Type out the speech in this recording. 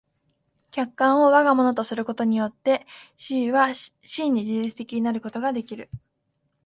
客観を我が物とすることによって思惟は真に自律的になることができる。